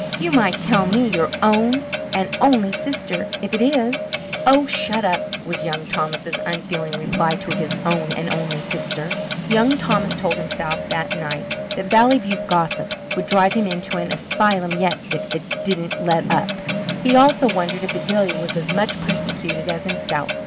You might tell me, your own and only sister, if it is." "Oh, shut up," was Young Thomas's unfeeling reply to his own and only sister. Young Thomas told himself that night that Valley View gossip would drive him into an asylum yet if it didn't let up. He also wondered if Adelia was as much persecuted as himself.